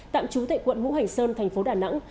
tạm trú tại quận hữu hành sơn thành phố đà nẵng